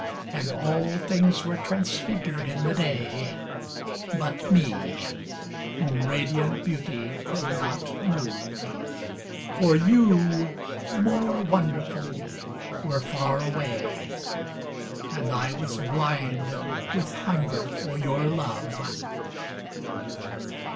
And all things were transfigured in the day, But me whom radiant beauty could not move; For you, more wonderful, were far away, And I was blind with hunger for your love.